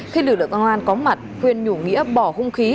khi lực lượng công an có mặt khuyên nhủ nghĩa bỏ hung khí